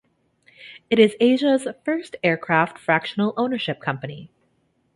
It is Asia's first aircraft fractional ownership company.